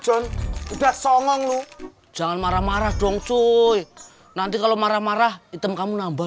john udah songong lu jangan marah marah dong cu nanti kalau marah marah hitam kamu nambah